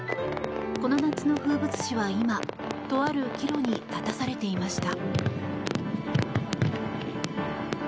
この夏の風物詩は今とある岐路に立たされていました。